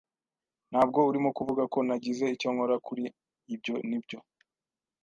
Ntabwo urimo kuvuga ko nagize icyo nkora kuri ibyo, nibyo?